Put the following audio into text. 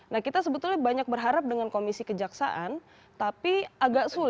nah kita sebetulnya banyak berharap dengan komisi kejaksaan tapi agak sulit